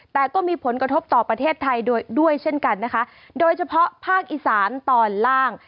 แต่ก็มีผลกระทบต่อประเทศไทยด้วยเช่นกันนะคะโดยเฉพาะภาคอีสานตอนล่าง